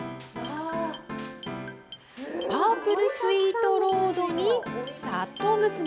パープルスイートロードに里むすめ。